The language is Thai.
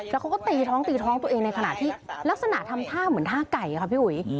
แล้วเขาก็ตีท้องตีท้องตัวเองในขณะที่ลักษณะทำท่าเหมือนท่าไก่ค่ะพี่อุ๋ย